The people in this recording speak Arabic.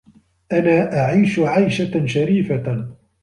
أنا أعيش عيشة شريفة.